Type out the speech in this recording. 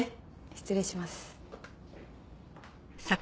失礼します。